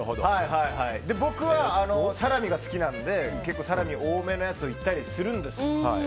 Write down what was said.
僕はサラミが好きなので結構サラミ多めのやつをいったりするんです。